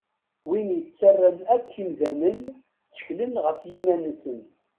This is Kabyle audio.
Win yettaran akk imdanen tteklen ɣef yiman-nsen.